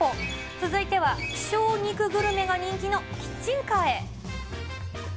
続いては、希少肉グルメが人気のキッチンカーへ。